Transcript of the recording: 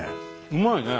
うまいね。